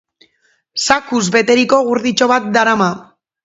Zakuz betetako gurditxo bat darama.